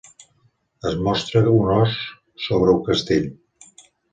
Es mostra un ós sobre un castell.